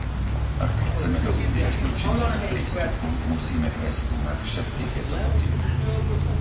Ak chceme dospieť k účinnému prístupu, musíme preskúmať všetky tieto motívy.